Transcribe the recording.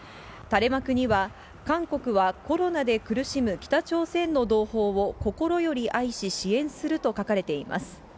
垂れ幕には、韓国はコロナで苦しむ北朝鮮の同胞を心より愛し、支援すると書かれています。